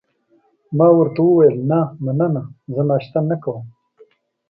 ما ورته وویل: نه، مننه، زه ناشته نه کوم.